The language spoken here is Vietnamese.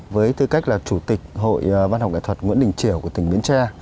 với tư cách là chủ tịch hội văn học nghệ thuật nguyễn đình triều của tỉnh biến tre